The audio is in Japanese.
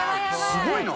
すごいな。